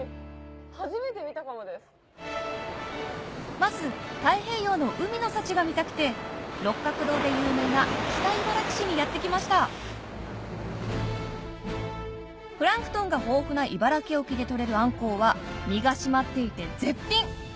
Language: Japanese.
まず太平洋の海の幸が見たくて六角堂で有名な北茨城市にやって来ましたプランクトンが豊富な茨城沖で取れるあんこうは身が締まっていて絶品！